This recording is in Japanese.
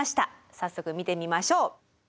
早速見てみましょう。